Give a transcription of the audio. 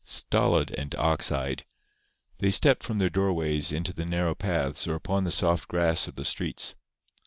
Stolid and ox eyed, they stepped from their doorways into the narrow paths or upon the soft grass of the streets.